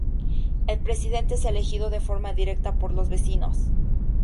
El Presidente es elegido de forma directa por los vecinos.